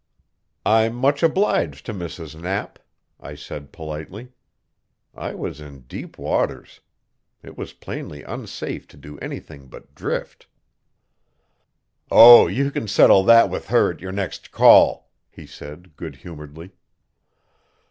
"I'm much obliged to Mrs. Knapp," I said politely. I was in deep waters. It was plainly unsafe to do anything but drift. "Oh, you can settle that with her at your next call," he said good humoredly.